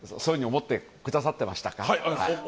思ってくださってました。